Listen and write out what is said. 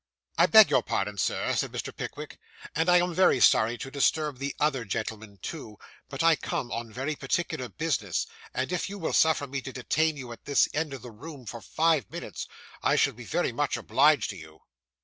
'I beg your pardon, Sir,' said Mr. Pickwick, 'and I am very sorry to disturb the other gentlemen, too, but I come on very particular business; and if you will suffer me to detain you at this end of the room for five minutes, I shall be very much obliged to you.